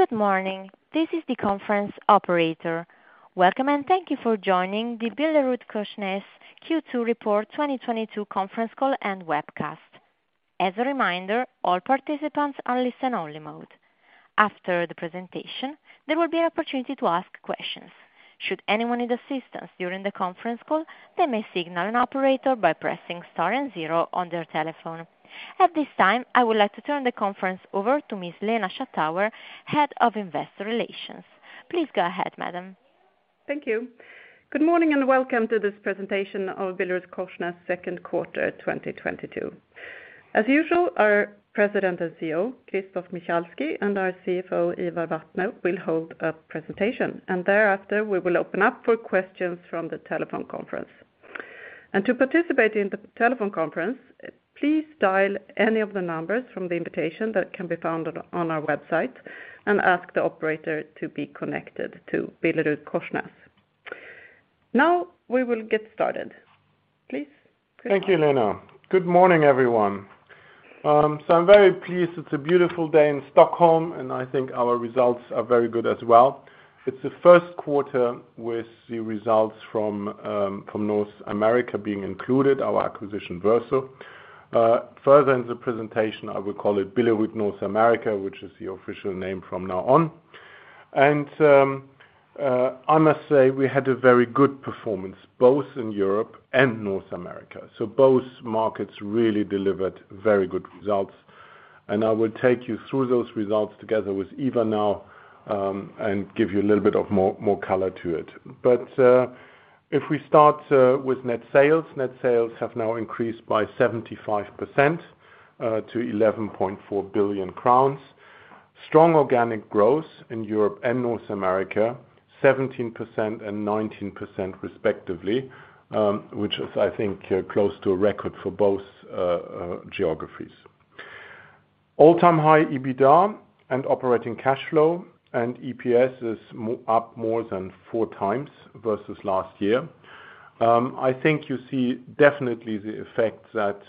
Good morning. This is the conference operator. Welcome, and thank you for joining the BillerudKorsnäs Q2 Report 2022 conference call and webcast. As a reminder, all participants are in listen-only mode. After the presentation, there will be an opportunity to ask questions. Should anyone need assistance during the conference call, they may signal an operator by pressing star and zero on their telephone. At this time, I would like to turn the conference over to Miss Lena Schattauer, Head of Investor Relations. Please go ahead, madam. Thank you. Good morning, and welcome to this presentation of BillerudKorsnäs second quarter, 2022. As usual, our president and CEO, Christoph Michalski, and our CFO, Ivar Vatne, will hold a presentation, and thereafter, we will open up for questions from the telephone conference. To participate in the telephone conference, please dial any of the numbers from the invitation that can be found on our website and ask the operator to be connected to BillerudKorsnäs. Now we will get started. Please. Thank you, Lena. Good morning, everyone. I'm very pleased. It's a beautiful day in Stockholm, and I think our results are very good as well. It's the first quarter with the results from North America being included, our acquisition, Verso. Further in the presentation, I will call it Billerud North America, which is the official name from now on. I must say we had a very good performance both in Europe and North America, so both markets really delivered very good results. I will take you through those results together with Ivar now, and give you a little bit of more color to it. If we start with net sales, net sales have now increased by 75% to 11.4 billion crowns. Strong organic growth in Europe and North America, 17% and 19% respectively, which is, I think, close to a record for both geographies. All-time high EBITDA and operating cash flow, and EPS is up more than 4x versus last year. I think you see definitely the effect that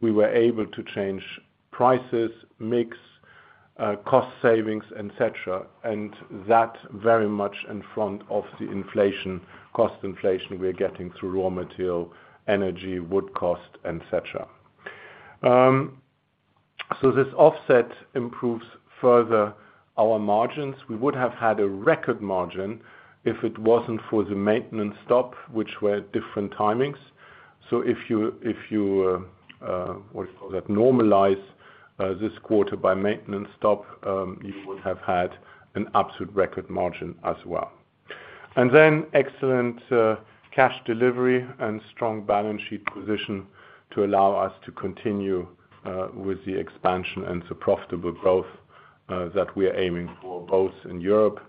we were able to change prices, mix, cost savings, et cetera, and that very much in front of the inflation, cost inflation we're getting through raw material, energy, wood cost, et cetera. This offset improves further our margins. We would have had a record margin if it wasn't for the maintenance stop, which were different timings. If you normalize this quarter by maintenance stop, you would have had an absolute record margin as well. Excellent cash delivery and strong balance sheet position to allow us to continue with the expansion and the profitable growth that we are aiming for, both in Europe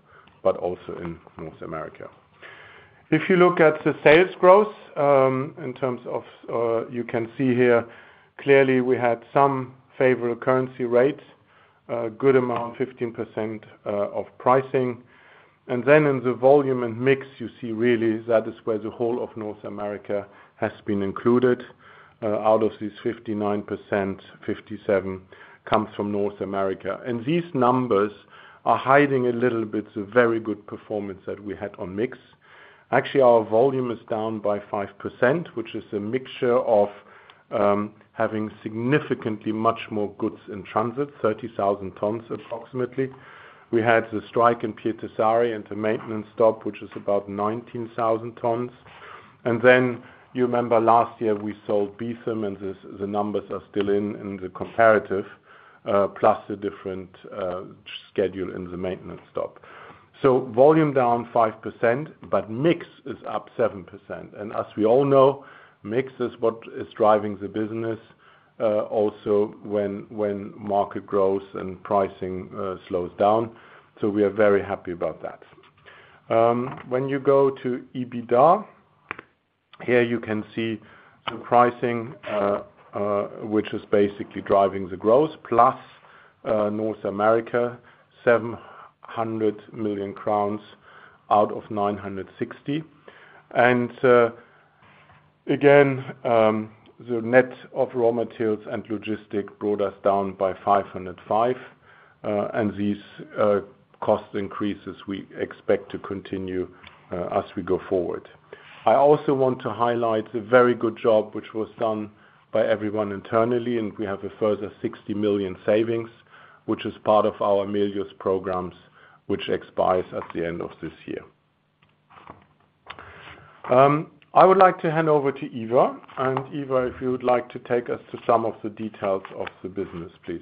but also in North America. If you look at the sales growth, in terms of, you can see here clearly we had some favorable currency rates, a good amount, 15% of pricing. In the volume and mix, you see really that is where the whole of North America has been included. Out of these 59%, 57 comes from North America. These numbers are hiding a little bit, the very good performance that we had on mix. Actually, our volume is down by 5%, which is a mixture of having significantly much more goods in transit, 30,000 tons approximately. We had the strike in Pietarsaari and the maintenance stop, which is about 19,000 tons. You remember last year we sold Beetham, and the numbers are still in the comparative, plus the different schedule in the maintenance stop. Volume down 5%, but mix is up 7%. As we all know, mix is what is driving the business, also when market growth and pricing slows down. We are very happy about that. When you go to EBITDA, here you can see the pricing, which is basically driving the growth, plus North America, 700 million crowns out of 960. The net of raw materials and logistics brought us down by 505, and these cost increases we expect to continue as we go forward. I also want to highlight the very good job which was done by everyone internally, and we have a further 60 million savings, which is part of our Ambitius programs, which expires at the end of this year. I would like to hand over to Ivar. Ivar, if you would like to take us to some of the details of the business, please.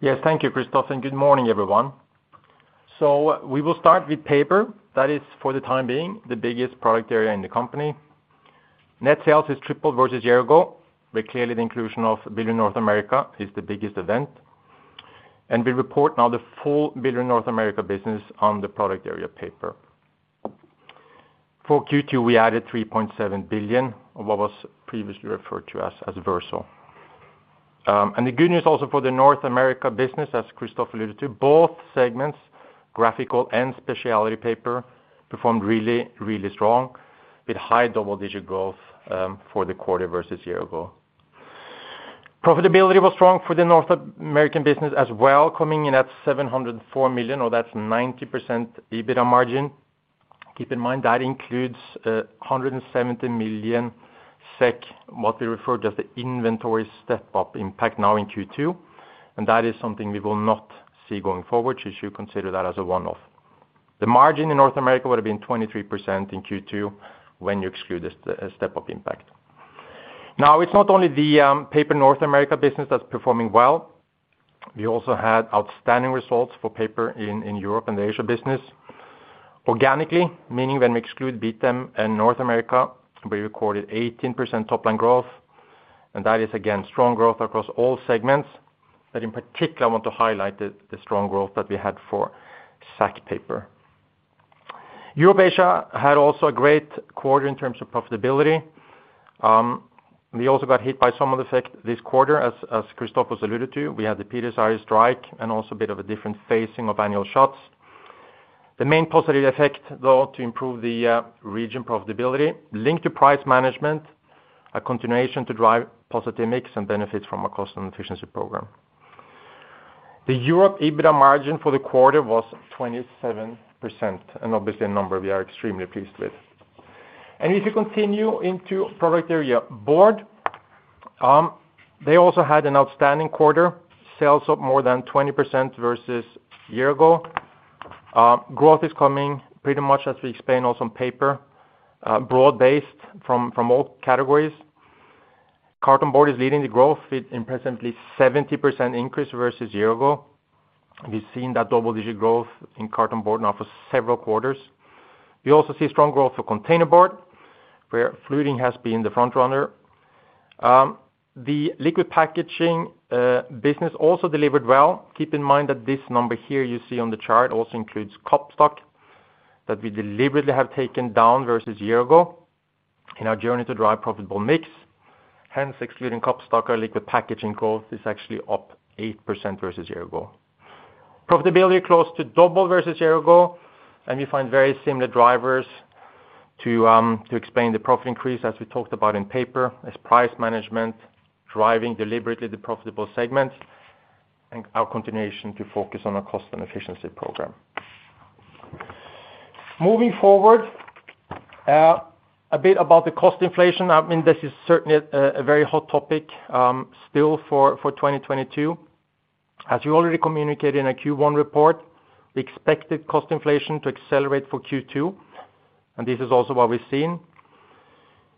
Yes, thank you, Christoph, and good morning, everyone. We will start with paper. That is, for the time being, the biggest product area in the company. Net sales has tripled versus year ago, but clearly the inclusion of Billerud North America is the biggest event. We report now the full Billerud North America business on the product area paper. For Q2, we added 3.7 billion of what was previously referred to as Verso. The good news also for the North America business, as Christoph alluded to, both segments, graphical and specialty paper, performed really, really strong. With high double digit growth for the quarter versus year ago. Profitability was strong for the North American business as well, coming in at $704 million, or that's 90% EBITDA margin. Keep in mind that includes 170 million SEK, what we refer to as the inventory step-up impact now in Q2, and that is something we will not see going forward, so you should consider that as a one-off. The margin in North America would have been 23% in Q2 when you exclude the step-up impact. Now, it's not only the paper North America business that's performing well. We also had outstanding results for paper in Europe and the Asia business. Organically, meaning when we exclude Verso and North America, we recorded 18% top line growth, and that is again strong growth across all segments. In particular, I want to highlight the strong growth that we had for sack paper. Europe & Asia had also a great quarter in terms of profitability. We also got hit by some of the effect this quarter. As Christoph has alluded to, we had the Pietarsaari strike and also a bit of a different phasing of annual shuts. The main positive effect, though, to improve the region profitability linked to price management, a continuation to drive positive mix and benefits from our cost and efficiency program. The Europe & Asia EBITDA margin for the quarter was 27%, and obviously a number we are extremely pleased with. If you continue into product area board, they also had an outstanding quarter. Sales up more than 20% versus year-ago. Growth is coming pretty much as we explained also on paper, broad-based from all categories. Cartonboard is leading the growth with impressively 70% increase versus year ago. We've seen that double-digit growth in cartonboard now for several quarters. We also see strong growth for containerboard, where fluting has been the front runner. The liquid packaging business also delivered well. Keep in mind that this number here you see on the chart also includes cup stock that we deliberately have taken down versus year ago in our journey to drive profitable mix. Hence, excluding cup stock, our liquid packaging growth is actually up 8% versus year ago. Profitability close to double versus year ago, and we find very similar drivers to explain the profit increase as we talked about in paper. Price management driving deliberately the profitable segments and our continuation to focus on our cost and efficiency program. Moving forward, a bit about the cost inflation. I mean, this is certainly a very hot topic still for 2022. As we already communicated in our Q1 report, we expected cost inflation to accelerate for Q2, and this is also what we've seen.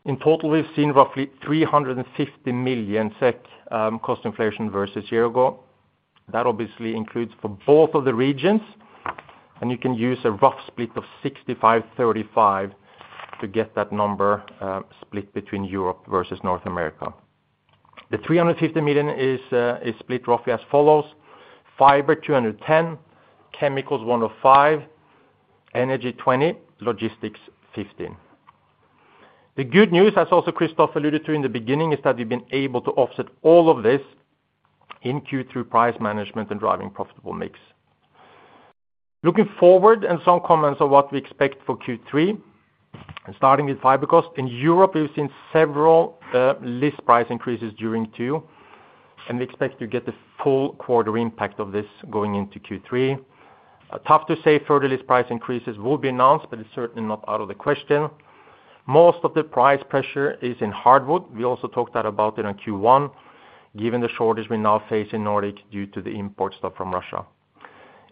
In total, we've seen roughly 350 million SEK cost inflation versus year ago. That obviously includes for both of the regions, and you can use a rough split of 65-35 to get that number, split between Europe versus North America. The 350 million is split roughly as follows, fiber, 210, chemicals, 105, energy, 20, logistics, 15. The good news, as also Christoph alluded to in the beginning, is that we've been able to offset all of this in Q2 price management and driving profitable mix. Looking forward, some comments on what we expect for Q3, starting with fiber cost. In Europe, we've seen several list price increases during Q2, and we expect to get the full quarter impact of this going into Q3. Tough to say further list price increases will be announced, but it's certainly not out of the question. Most of the price pressure is in hardwood. We also talked about that in Q1, given the shortage we now face in Nordic due to the import stop from Russia.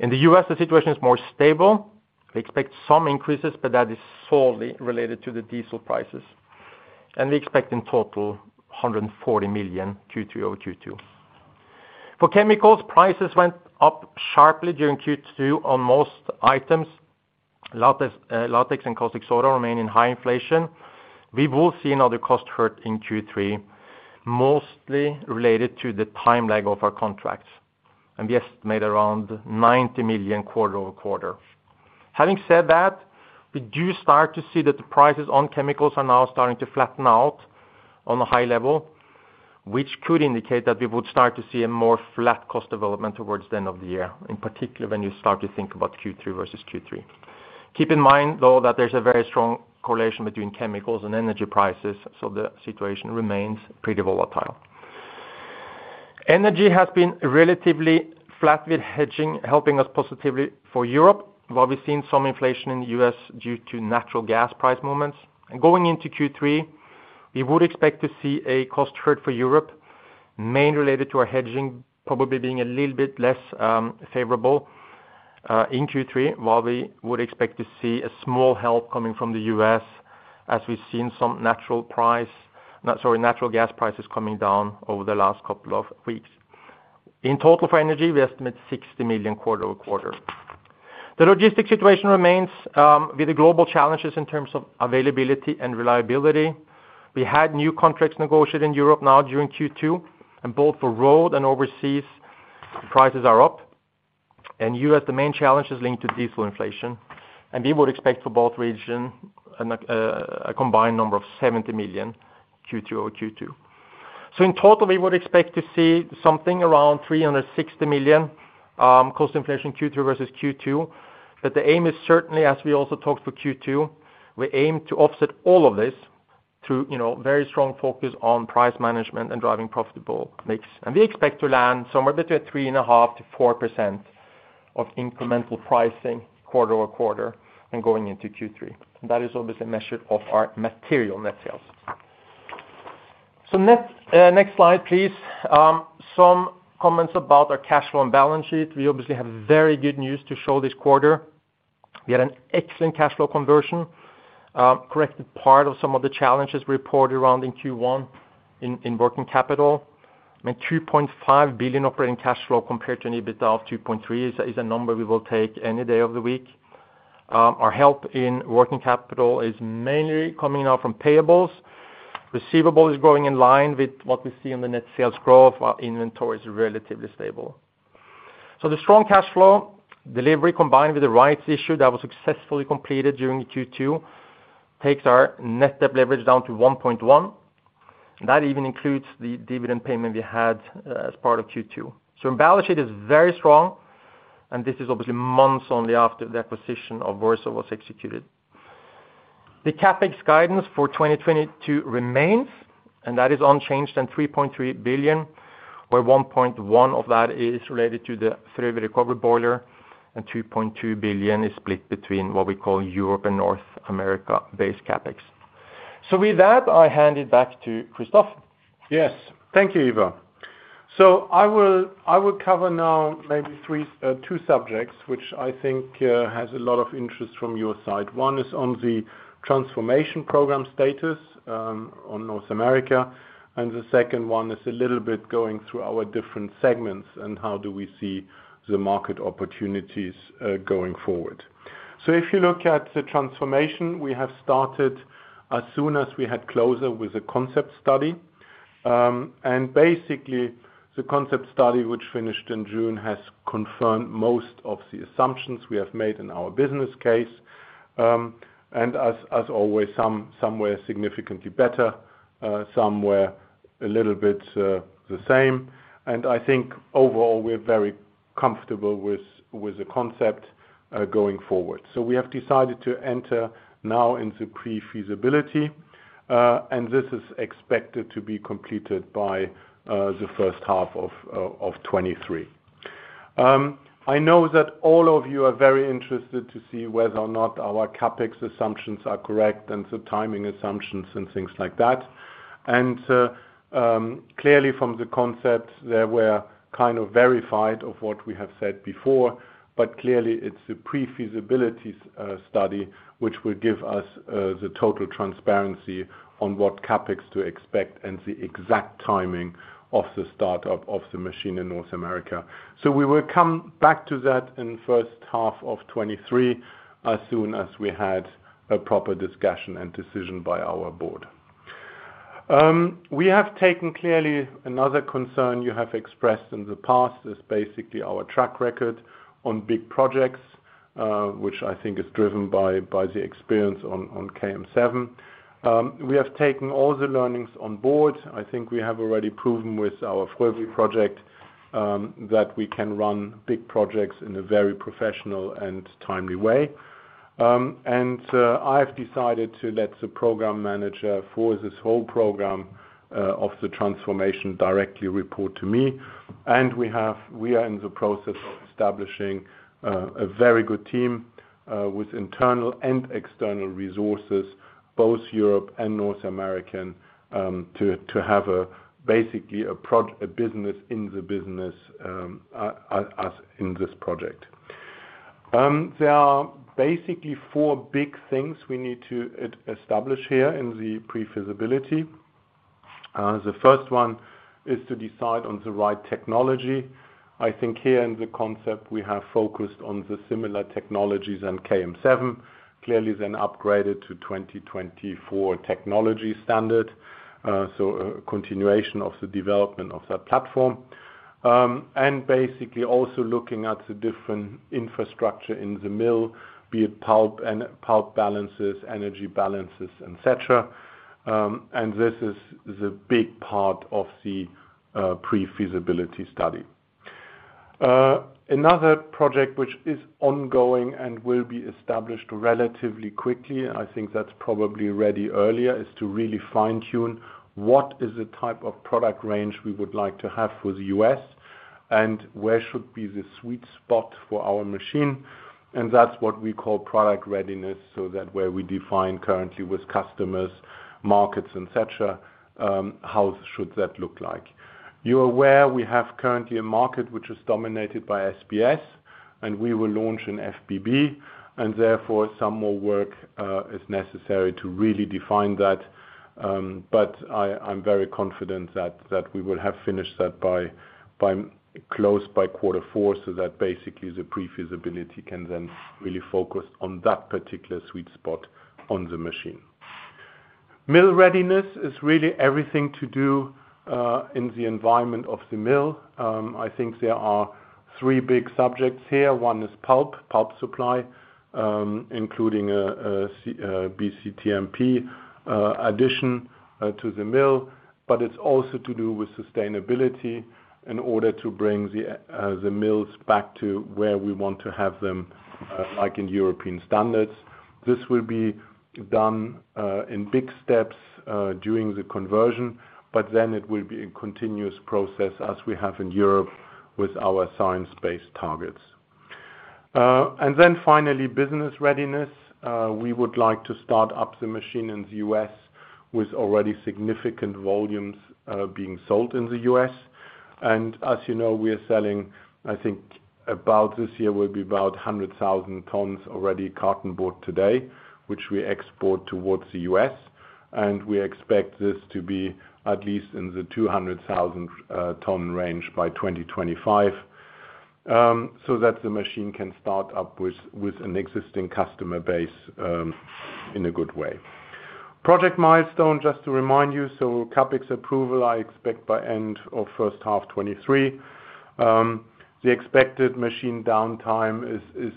In the US, the situation is more stable. We expect some increases, but that is solely related to the diesel prices, and we expect in total 140 million Q2 over Q2. For chemicals, prices went up sharply during Q2 on most items. Latex, latex and caustic soda remain in high inflation. We will see another cost hit in Q3, mostly related to the time lag of our contracts, and we estimate around 90 million quarter over quarter. Having said that, we do start to see that the prices on chemicals are now starting to flatten out on a high level, which could indicate that we would start to see a more flat cost development towards the end of the year, in particular when you start to think about Q2 versus Q3. Keep in mind though, that there's a very strong correlation between chemicals and energy prices, so the situation remains pretty volatile. Energy has been relatively flat with hedging, helping us positively for Europe, while we've seen some inflation in the US due to natural gas price movements. Going into Q3, we would expect to see a cost headwind for Europe, mainly related to our hedging probably being a little bit less favorable in Q3, while we would expect to see a small help coming from the US as we've seen natural gas prices coming down over the last couple of weeks. In total, for energy, we estimate 60 million quarter-over-quarter. The logistics situation remains with the global challenges in terms of availability and reliability. We had new contracts negotiated in Europe now during Q2, and both for road and overseas prices are up. In US, the main challenge is linked to diesel inflation, and we would expect for both regions and a combined number of 70 million Q2 over Q2. In total, we would expect to see something around 360 million cost inflation Q2 versus Q2. The aim is certainly, as we also talked for Q2, we aim to offset all of this through, you know, very strong focus on price management and driving profitable mix. We expect to land somewhere between 3.5%-4% of incremental pricing quarter-over-quarter and going into Q3. That is obviously measured off our material net sales. Next slide, please. Some comments about our cash flow and balance sheet. We obviously have very good news to show this quarter. We had an excellent cash flow conversion, corrected part of some of the challenges we reported around in Q1 in working capital. I mean, 2.5 billion operating cash flow compared to an EBITDA of 2.3 billion is a number we will take any day of the week. Our help in working capital is mainly coming now from payables. Receivable is growing in line with what we see in the net sales growth. Our inventory is relatively stable. The strong cash flow delivery, combined with the rights issue that was successfully completed during Q2, takes our net debt leverage down to 1.1. That even includes the dividend payment we had, as part of Q2. Our balance sheet is very strong, and this is obviously months only after the acquisition of Verso was executed. The CapEx guidance for 2022 remains, and that is unchanged in 3.3 billion, where 1.1 of that is related to the Frövi recovery boiler, and 2.2 billion is split between what we call Europe and North America-based CapEx. With that, I hand it back to Christoph. Yes. Thank you, Ivar. I will cover now maybe three, two subjects, which I think has a lot of interest from your side. One is on the transformation program status, on North America, and the second one is a little bit going through our different segments and how do we see the market opportunities going forward. If you look at the transformation, we have started as soon as we had closure with the concept study. Basically, the concept study, which finished in June, has confirmed most of the assumptions we have made in our business case. As always, some were significantly better, some were a little bit the same. I think overall we're very comfortable with the concept going forward. We have decided to enter now into pre-feasibility, and this is expected to be completed by the first half of 2023. I know that all of you are very interested to see whether or not our CapEx assumptions are correct and the timing assumptions and things like that. Clearly from the concept, they were kind of verified of what we have said before, but clearly it's the pre-feasibility study which will give us the total transparency on what CapEx to expect and the exact timing of the startup of the machine in North America. We will come back to that in first half of 2023 as soon as we had a proper discussion and decision by our board. We have taken clearly another concern you have expressed in the past is basically our track record on big projects, which I think is driven by the experience on KM7. We have taken all the learnings on board. I think we have already proven with our Frövi project that we can run big projects in a very professional and timely way. I've decided to let the program manager for this whole program of the transformation directly report to me. We are in the process of establishing a very good team with internal and external resources, both Europe and North America, to have a basically a business in the business as in this project. There are basically four big things we need to establish here in the pre-feasibility. The first one is to decide on the right technology. I think here in the concept, we have focused on the similar technologies in KM7, clearly then upgraded to 2024 technology standard. A continuation of the development of that platform. Basically also looking at the different infrastructure in the mill, be it pulp and pulp balances, energy balances, et cetera. This is the big part of the pre-feasibility study. Another project which is ongoing and will be established relatively quickly, and I think that's probably ready earlier, is to really fine-tune what is the type of product range we would like to have for the US and where should be the sweet spot for our machine. That's what we call product readiness, so that way we define currently with customers, markets and such, how should that look like. You're aware we have currently a market which is dominated by SBS, and we will launch an FBB, and therefore some more work is necessary to really define that. I'm very confident that we will have finished that by close of quarter four, so that basically the pre-feasibility can then really focus on that particular sweet spot on the machine. Mill readiness is really everything to do in the environment of the mill. I think there are three big subjects here. One is pulp supply, including a BCTMP addition to the mill, but it's also to do with sustainability in order to bring the mills back to where we want to have them, like in European standards. This will be done in big steps during the conversion, but then it will be a continuous process as we have in Europe with our Science-Based Targets. Finally, business readiness. We would like to start up the machine in the US with already significant volumes being sold in the US. As you know, we are selling, I think about this year will be about 100,000 tons already carton board today, which we export towards the US, and we expect this to be at least in the 200,000 ton range by 2025, so that the machine can start up with an existing customer base in a good way. Project milestone, just to remind you. CapEx approval I expect by end of first half 2023. The expected machine downtime is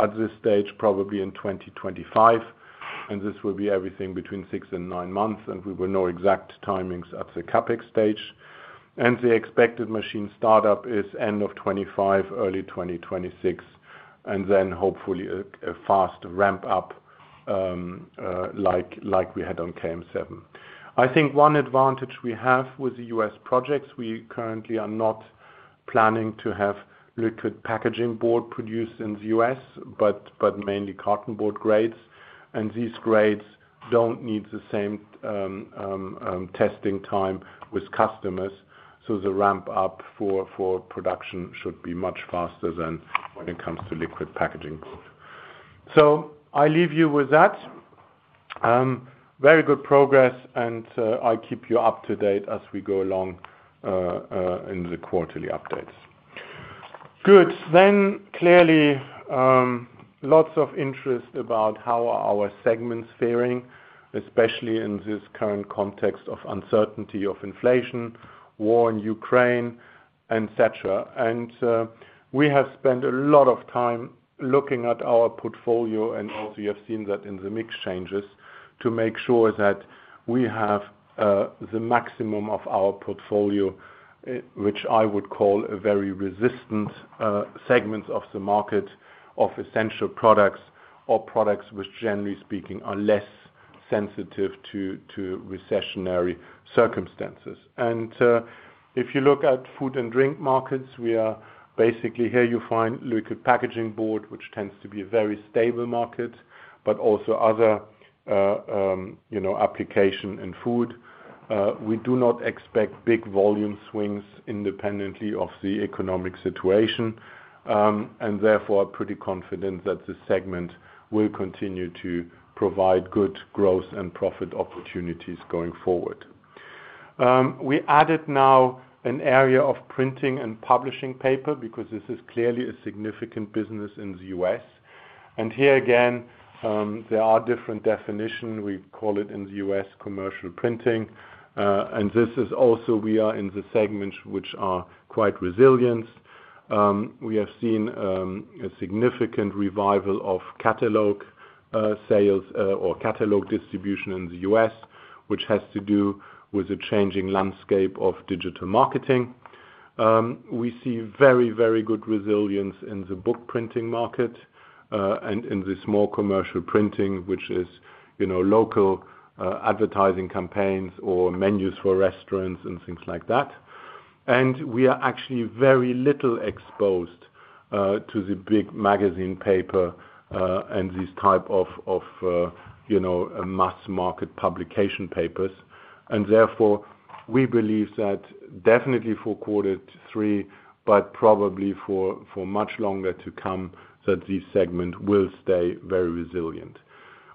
at this stage probably in 2025, and this will be everything between six and nine months, and we will know exact timings at the CapEx stage. The expected machine startup is end of 2025, early 2026, and then hopefully a fast ramp up, like we had on KM7. I think one advantage we have with the US projects, we currently are not planning to have Liquid Packaging Board produced in the US, but mainly cartonboard grades. These grades don't need the same testing time with customers, so the ramp up for production should be much faster than when it comes to Liquid Packaging Board. I leave you with that. Very good progress and, I'll keep you up to date as we go along, in the quarterly updates. Good. Clearly, lots of interest about how are our segments faring, especially in this current context of uncertainty, of inflation, war in Ukraine, et cetera. We have spent a lot of time looking at our portfolio, and also you have seen that in the mix changes, to make sure that we have, the maximum of our portfolio, which I would call a very resistant, segments of the market of essential products or products which generally speaking are less sensitive to recessionary circumstances. If you look at food and drink markets, we are basically, here you find Liquid Packaging Board, which tends to be a very stable market, but also other, you know, application and food. We do not expect big volume swings independently of the economic situation, and therefore are pretty confident that the segment will continue to provide good growth and profit opportunities going forward. We added now an area of printing and publishing paper because this is clearly a significant business in the US. Here again, there are different definitions. We call it in the US commercial printing. This is also. We are in the segments which are quite resilient. We have seen a significant revival of catalog sales or catalog distribution in the US, which has to do with the changing landscape of digital marketing. We see very, very good resilience in the book printing market and in the small commercial printing, which is, you know, local advertising campaigns or menus for restaurants and things like that. We are actually very little exposed to the big magazine paper and this type of mass market publication papers. Therefore, we believe that definitely for quarter three, but probably for much longer to come, that this segment will stay very resilient.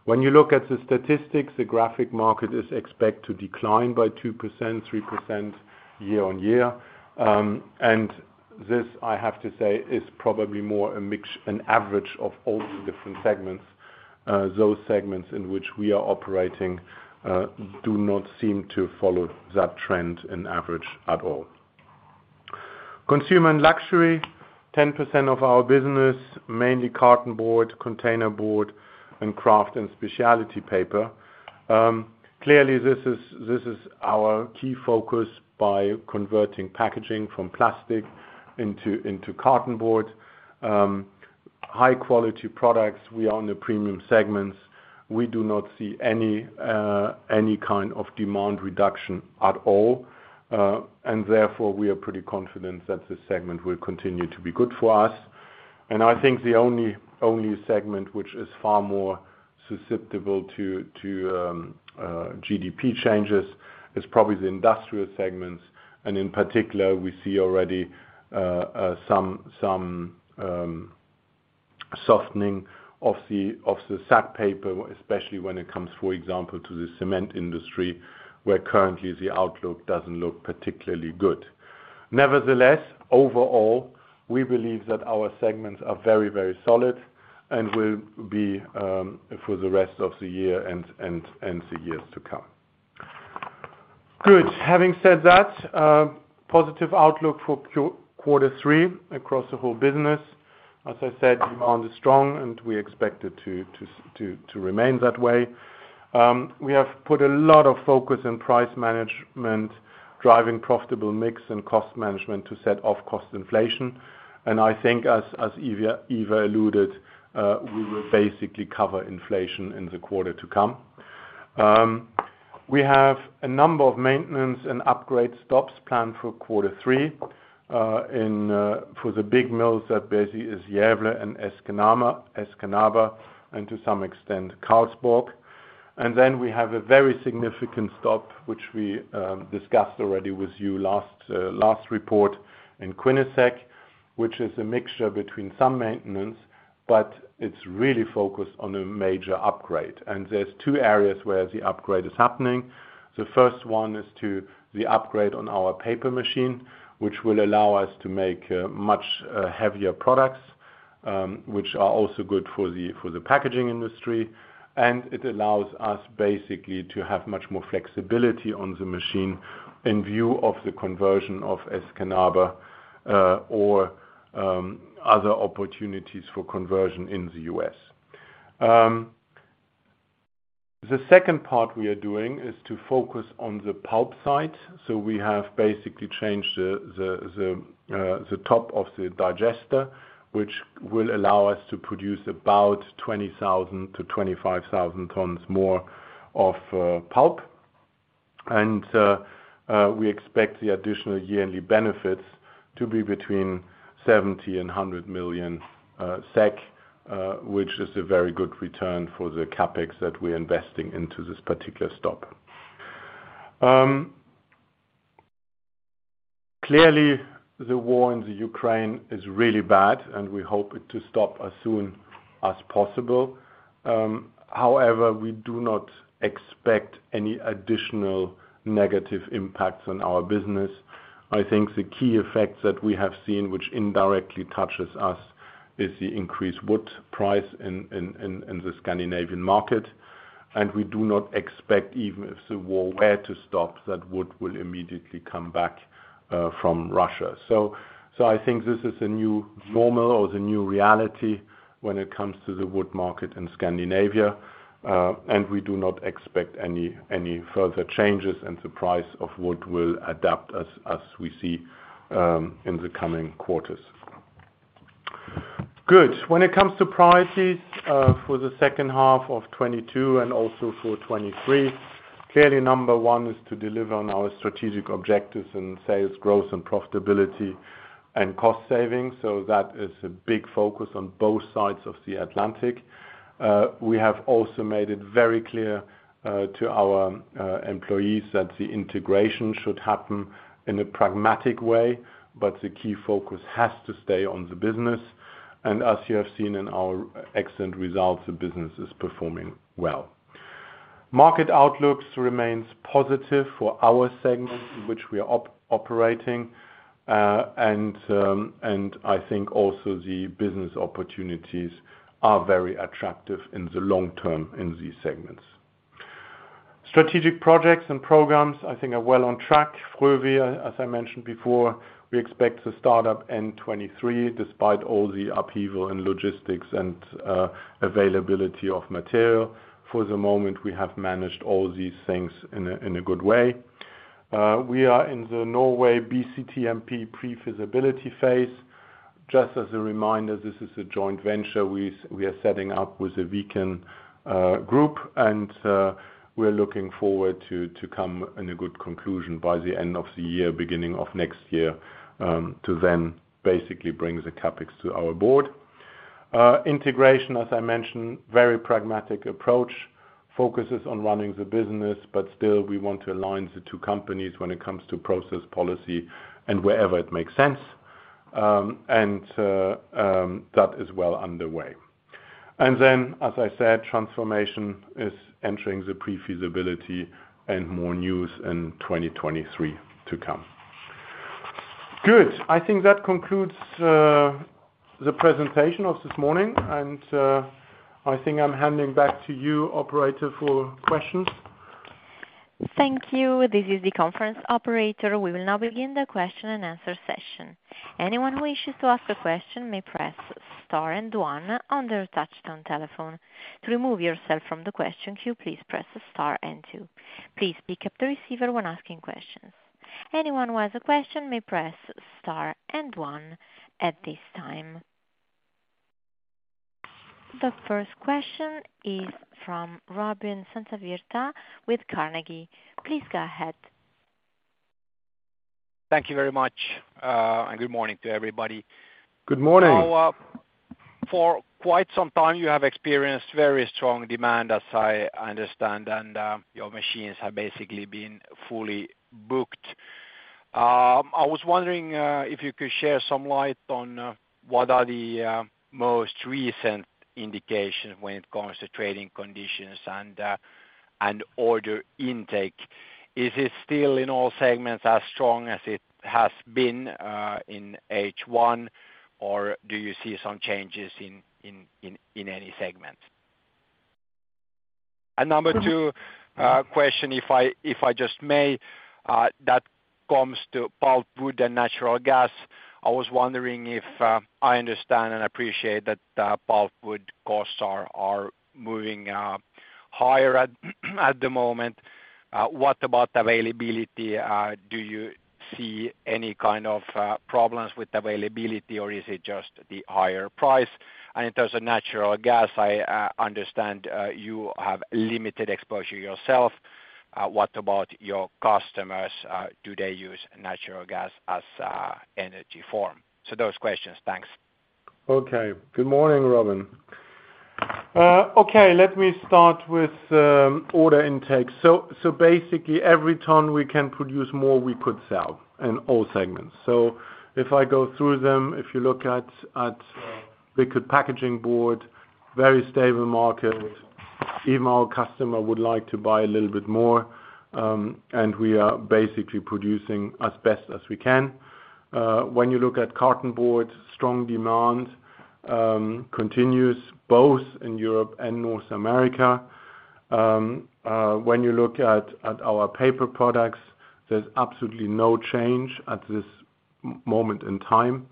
When you look at the statistics, the graphic market is expected to decline by 2%-3% year-on-year. This, I have to say, is probably more a mix, an average of all the different segments. Those segments in which we are operating do not seem to follow that trend and average at all. Consumer and luxury, 10% of our business, mainly cartonboard, containerboard, and kraft and specialty paper. Clearly this is our key focus by converting packaging from plastic into cartonboard. High quality products. We are in the premium segments. We do not see any kind of demand reduction at all, and therefore we are pretty confident that this segment will continue to be good for us. I think the only segment which is far more susceptible to GDP changes is probably the industrial segments. In particular, we see already some softening of the sack paper, especially when it comes, for example, to the cement industry, where currently the outlook doesn't look particularly good. Nevertheless, overall, we believe that our segments are very solid and will be for the rest of the year and the years to come. Good. Having said that, positive outlook for quarter three across the whole business. As I said, demand is strong, and we expect it to remain that way. We have put a lot of focus on price management, driving profitable mix and cost management to offset cost inflation. I think as Ivar alluded, we will basically cover inflation in the quarter to come. We have a number of maintenance and upgrade stops planned for quarter three, for the big mills that basically is Gävle and Escanaba, and to some extent Karlsborg. Then we have a very significant stop, which we discussed already with you last report in Quinnesec, which is a mixture between some maintenance, but it's really focused on a major upgrade. There's two areas where the upgrade is happening. The first one is to the upgrade on our paper machine, which will allow us to make much heavier products, which are also good for the packaging industry. It allows us basically to have much more flexibility on the machine in view of the conversion of Escanaba or other opportunities for conversion in the US. The second part we are doing is to focus on the pulp side. We have basically changed the top of the digester, which will allow us to produce about 20,000-25,000 tons more of pulp. We expect the additional yearly benefits to be between 70 million SEK and 100 million SEK, which is a very good return for the CapEx that we're investing into this particular stop. Clearly the war in the Ukraine is really bad, and we hope it to stop as soon as possible. However, we do not expect any additional negative impacts on our business. I think the key effects that we have seen, which indirectly touches us, is the increased wood price in the Scandinavian market. We do not expect, even if the war were to stop, that wood will immediately come back from Russia. I think this is the new normal or the new reality when it comes to the wood market in Scandinavia. We do not expect any further changes, and the price of wood will adapt as we see in the coming quarters. Good. When it comes to priorities, for the second half of 2022 and also for 2023, clearly number one is to deliver on our strategic objectives in sales growth and profitability and cost savings. That is a big focus on both sides of the Atlantic. We have also made it very clear to our employees that the integration should happen in a pragmatic way, but the key focus has to stay on the business. As you have seen in our excellent results, the business is performing well. Market outlooks remains positive for our segment in which we are operating. I think also the business opportunities are very attractive in the long term in these segments. Strategic projects and programs I think are well on track. Frövi, as I mentioned before, we expect to start up in 2023, despite all the upheaval in logistics and availability of material. For the moment, we have managed all these things in a good way. We are in the Norway BCTMP pre-feasibility phase. Just as a reminder, this is a joint venture we are setting up with the Viken Group, and we are looking forward to come to a good conclusion by the end of the year, beginning of next year, to then basically bring the CapEx to our board. Integration, as I mentioned, very pragmatic approach. Focus is on running the business, but still we want to align the two companies when it comes to process policy and wherever it makes sense. That is well underway. Then, as I said, transformation is entering the pre-feasibility and more news in 2023 to come. Good. I think that concludes the presentation of this morning. I think I'm handing back to you, operator, for questions. Thank you. This is the conference operator. We will now begin the question-and-answer session. Anyone who wishes to ask a question may press star and one on their touch-tone telephone. To remove yourself from the question queue, please press star and two. Please pick up the receiver when asking questions. Anyone who has a question may press star and one at this time. The first question is from Robin Santavirta with Carnegie. Please go ahead. Thank you very much, and good morning to everybody. Good morning. Now, for quite some time you have experienced very strong demand, as I understand, and your machines have basically been fully booked. I was wondering if you could shed some light on what are the most recent indications when it comes to trading conditions and order intake. Is it still in all segments as strong as it has been in H1, or do you see some changes in any segment? Number two, question, if I just may, that comes to pulpwood and natural gas. I was wondering if I understand and appreciate that pulpwood costs are moving higher at the moment. What about availability? Do you see any kind of problems with availability or is it just the higher price? In terms of natural gas, I understand you have limited exposure yourself. What about your customers? Do they use natural gas as an energy form? Those questions. Thanks. Good morning, Robin. Let me start with order intake. Basically every ton we can produce more we could sell in all segments. If I go through them, if you look at liquid packaging board, very stable market. Even our customer would like to buy a little bit more, and we are basically producing as best as we can. When you look at carton board, strong demand continues both in Europe and North America. When you look at our paper products, there's absolutely no change at this moment in time.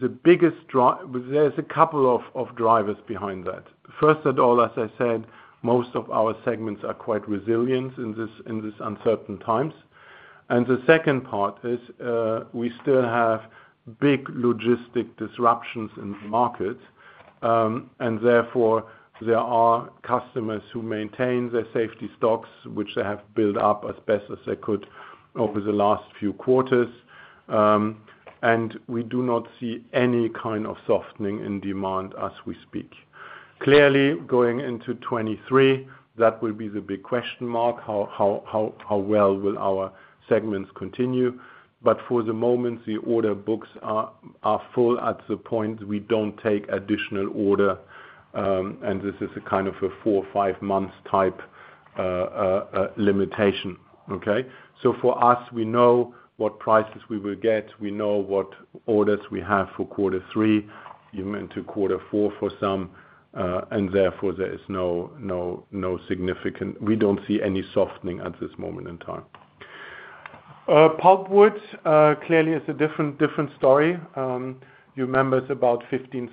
There's a couple of drivers behind that. First of all, as I said, most of our segments are quite resilient in this uncertain times. The second part is, we still have big logistic disruptions in the market, and therefore there are customers who maintain their safety stocks which they have built up as best as they could over the last few quarters. We do not see any kind of softening in demand as we speak. Clearly, going into 2023, that will be the big question mark, how well will our segments continue? For the moment, the order books are full at the point we don't take additional order, and this is a kind of a four- or five-months type limitation. Okay. For us, we know what prices we will get. We know what orders we have for quarter three, even to quarter four for some, and therefore we don't see any softening at this moment in time. Pulpwood clearly is a different story. You remember it's about 15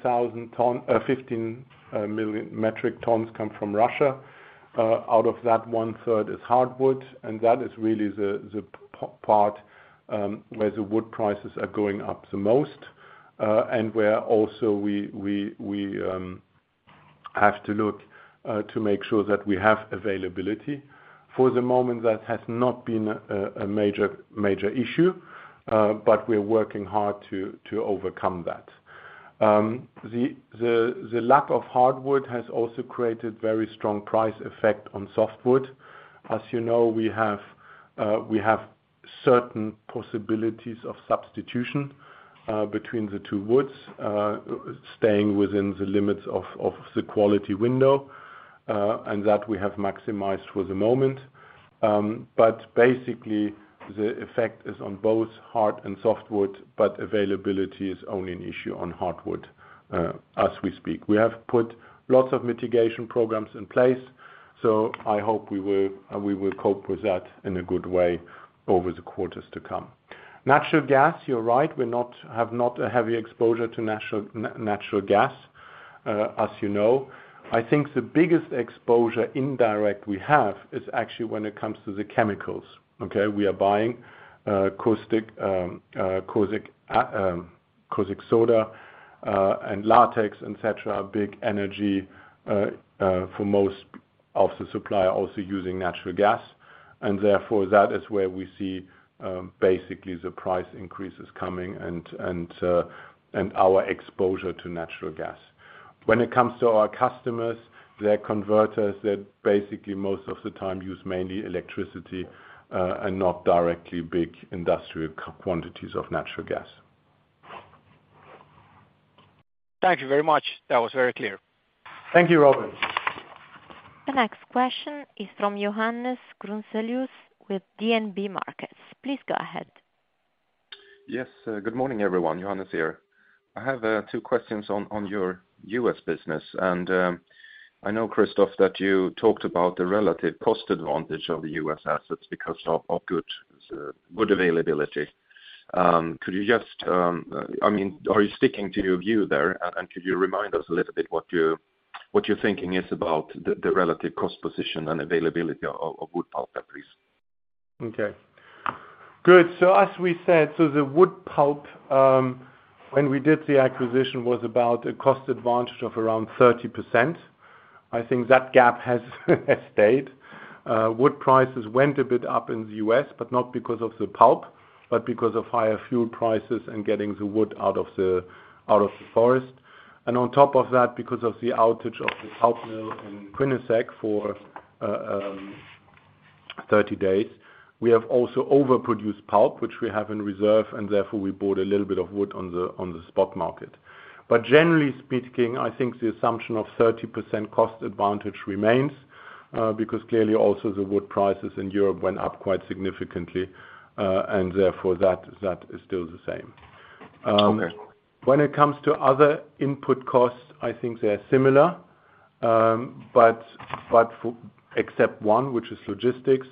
million metric tons come from Russia. Out of that, one-third is hardwood, and that is really the part where the wood prices are going up the most, and where also we have to look to make sure that we have availability. For the moment, that has not been a major issue, but we're working hard to overcome that. The lack of hardwood has also created very strong price effect on softwood. As you know, we have certain possibilities of substitution between the two woods, staying within the limits of the quality window, and that we have maximized for the moment. But basically the effect is on both hard and softwood, but availability is only an issue on hardwood, as we speak. We have put lots of mitigation programs in place, so I hope we will cope with that in a good way over the quarters to come. Natural gas, you're right, we have not a heavy exposure to natural gas, as you know. I think the biggest exposure indirect we have is actually when it comes to the chemicals, okay? We are buying caustic soda and latex, et cetera, big energy for most of the supply also using natural gas. Therefore, that is where we see basically the price increases coming and our exposure to natural gas. When it comes to our customers, their converters, they basically most of the time use mainly electricity and not directly big industrial quantities of natural gas. Thank you very much. That was very clear. Thank you, Robin. The next question is from Johannes Grunselius with DNB Markets. Please go ahead. Yes. Good morning, everyone. Johannes here. I have two questions on your US business. I know, Christoph, that you talked about the relative cost advantage of the US assets because of good wood availability. Could you just, I mean, are you sticking to your view there? And could you remind us a little bit what your thinking is about the relative cost position and availability of wood pulp at least? Okay. Good. As we said, the wood pulp, when we did the acquisition was about a cost advantage of around 30%. I think that gap has stayed. Wood prices went a bit up in the US, but not because of the pulp, but because of higher fuel prices and getting the wood out of the forest. On top of that, because of the outage of the pulp mill in Quinnesec for 30 days, we have also overproduced pulp, which we have in reserve, and therefore we bought a little bit of wood on the spot market. Generally speaking, I think the assumption of 30% cost advantage remains, because clearly also the wood prices in Europe went up quite significantly, and therefore that is still the same. When it comes to other input costs, I think they are similar, except one, which is logistics,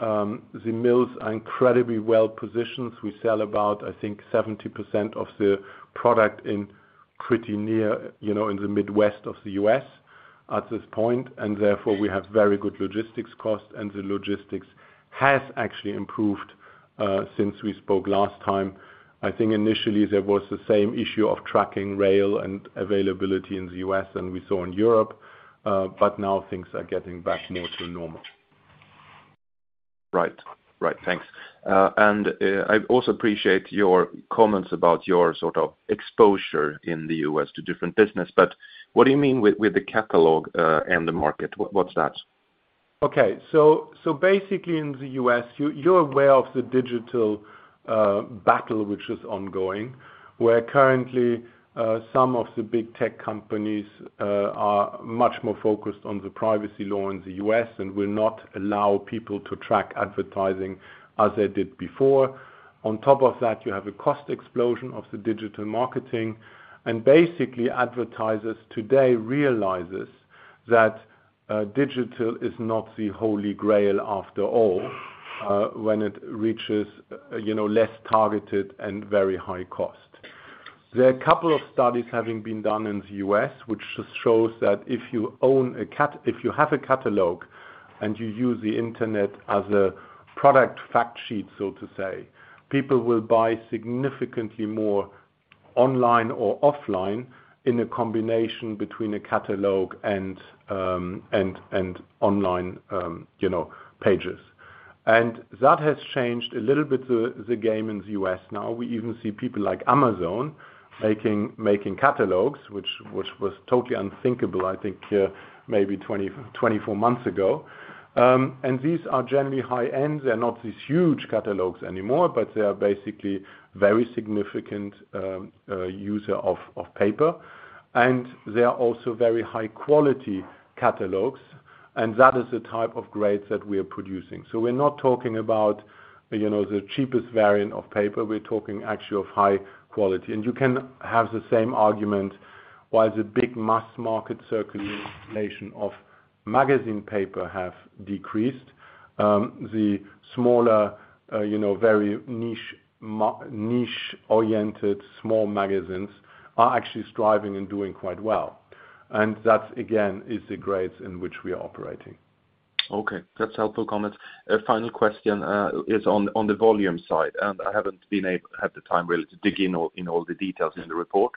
the mills are incredibly well-positioned. We sell about, I think 70% of the product in pretty near, you know, in the Midwest of the US at this point. And therefore, we have very good logistics costs, and the logistics has actually improved, since we spoke last time. I think initially there was the same issue of truck and rail and availability in the US as we saw in Europe, but now things are getting back more to normal. Right. Thanks. I also appreciate your comments about your sort of exposure in the US to different business. What do you mean with the catalog and the market? What's that? Basically in the US, you're aware of the digital battle which is ongoing, where currently some of the big tech companies are much more focused on the privacy law in the US and will not allow people to track advertising as they did before. On top of that, you have a cost explosion of the digital marketing, and basically advertisers today realizes that digital is not the holy grail after all, when it reaches, you know, less targeted and very high cost. There are a couple of studies having been done in the US, which just shows that if you have a catalog and you use the Internet as a product fact sheet, so to say, people will buy significantly more online or offline in a combination between a catalog and online, you know, pages. That has changed a little bit the game in the US now. We even see people like Amazon making catalogs, which was totally unthinkable, I think, maybe 24 months ago. These are generally high-end. They're not these huge catalogs anymore, but they are basically very significant user of paper. They are also very high quality catalogs, and that is the type of grades that we are producing. We're not talking about, you know, the cheapest variant of paper. We're talking actually of high quality. You can have the same argument while the big mass market circulation of magazine paper have decreased, the smaller, you know, very niche-oriented small magazines are actually thriving and doing quite well. That, again, is the grades in which we are operating. Okay. That's helpful comments. A final question is on the volume side. I haven't been able to have the time really to dig in all the details in the report.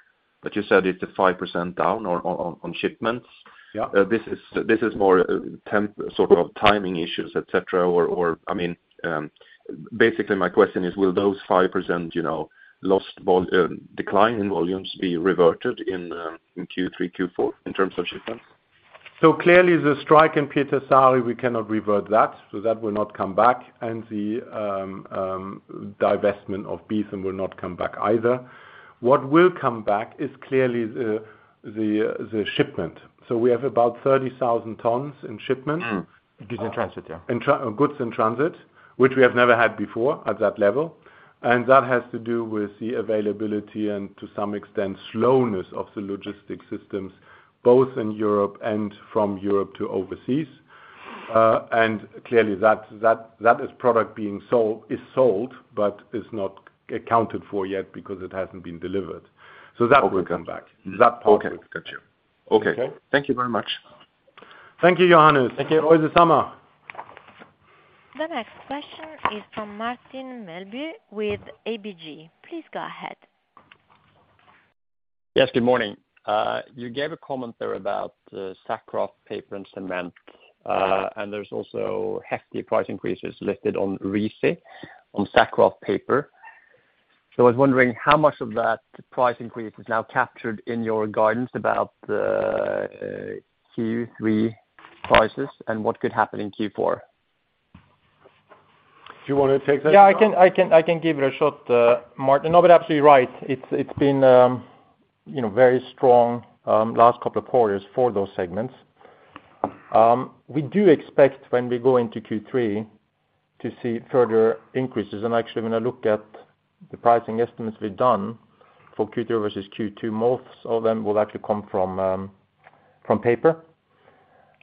You said it's 5% down on shipments. Yeah. This is more sort of timing issues, et cetera, or, I mean, basically my question is, will those 5%, you know, decline in volumes be reverted in Q3, Q4 in terms of shipments? Clearly the strike in Pietarsaari, we cannot revert that, so that will not come back. The divestment of Beetham will not come back either. What will come back is clearly the shipment. We have about 30,000 tons in shipment. Goods in transit, yeah. Goods in transit, which we have never had before at that level. That has to do with the availability and, to some extent, slowness of the logistics systems, both in Europe and from Europe to overseas. Clearly, that is product being sold but is not accounted for yet because it hasn't been delivered. That will come back. That part will come back. Okay. Got you. Okay. Okay? Thank you very much. Thank you, Johannes. Thank you. Oh, it's the same. The next question is from Martin Melbye with ABG. Please go ahead. Yes, good morning. You gave a comment there about sack kraft paper and cement. There's also hefty price increases listed on RISI on sack kraft paper. I was wondering how much of that price increase is now captured in your guidance about the Q3 prices and what could happen in Q4? Do you wanna take that? Yeah, I can give it a shot, Martin. No, but absolutely right. It's been, you know, very strong last couple of quarters for those segments. We do expect when we go into Q3 to see further increases. Actually, when I look at the pricing estimates we've done for Q2 versus Q1, most of them will actually come from paper.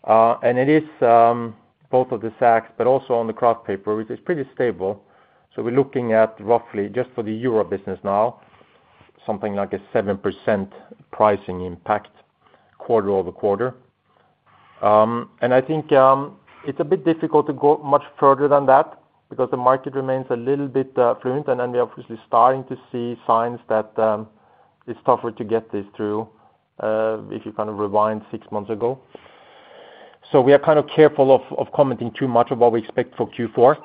It is both of the sacks, but also on the kraft paper, which is pretty stable. We're looking at roughly just for the European business now, something like a 7% pricing impact quarter-over-quarter. I think it's a bit difficult to go much further than that because the market remains a little bit fluid. We're obviously starting to see signs that it's tougher to get this through if you kind of rewind six months ago. We are kind of careful of commenting too much of what we expect for Q4.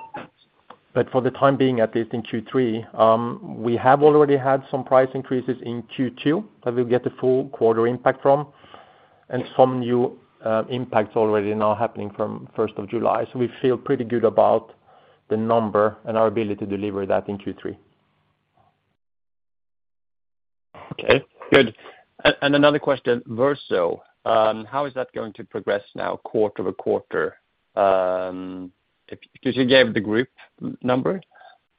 For the time being, at least in Q3, we have already had some price increases in Q2 that we'll get the full quarter impact from and some new impacts already now happening from first of July. We feel pretty good about the number and our ability to deliver that in Q3. Okay, good. Another question, Verso, how is that going to progress now quarter-over-quarter? Because you gave the group number,